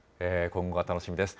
今後が楽しみです。